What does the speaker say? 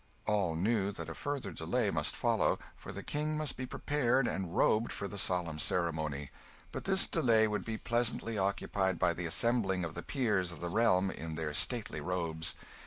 All knew that a further delay must follow, for the King must be prepared and robed for the solemn ceremony; but this delay would be pleasantly occupied by the assembling of the peers of the realm in their stately robes.